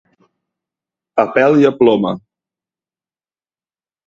A pèl i a ploma.